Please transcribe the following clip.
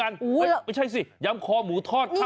ไม่ใช่สิยำคอหมูทอดข้าว